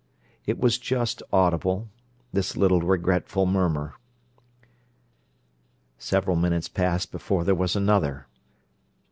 It was just audible, this little regretful murmur. Several minutes passed before there was another.